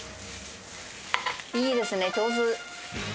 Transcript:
いいですね、上手。